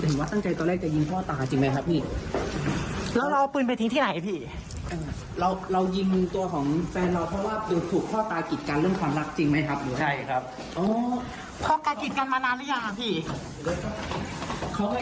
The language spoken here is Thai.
อย่างแบบนี้ตลอดเลยไหมครับได้ครับแล้วเราเคยบอกใช่ไหมว่าเรารักเขาอะไร